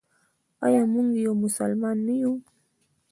آیا موږ یو مسلمان نه یو؟